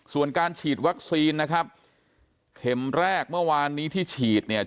ส่วนการฉีดวัคซีนนะครับเข็มแรกเมื่อวานนี้ที่ฉีดเนี่ย